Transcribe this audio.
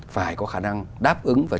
phải có khả năng đáp ứng và